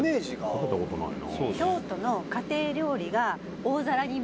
食べた事ないな。